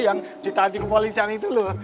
yang ditanti kepolisian itu loh